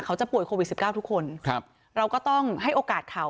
เขาจะป่วยโควิด๑๙ทุกคนเราก็ต้องให้โอกาสเขา